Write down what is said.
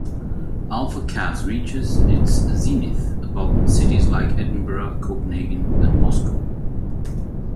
Alpha Cas reaches its zenith above cities like Edinburgh, Copenhagen and Moscow.